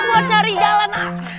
kompas buat nyari jalan